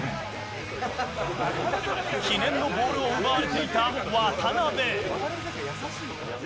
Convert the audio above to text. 記念のボールを奪われていた渡邊。